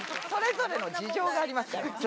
それぞれの事情がありますから。